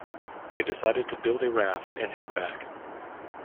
They decided to build a raft and head back.